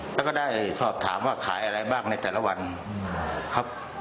แล้วก็ได้สอบถามว่าขายอะไรบ้างในแต่ละวันครับ